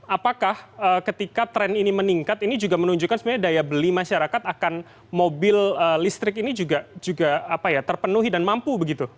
apakah ketika tren ini meningkat ini juga menunjukkan sebenarnya daya beli masyarakat akan mobil listrik ini juga terpenuhi dan mampu begitu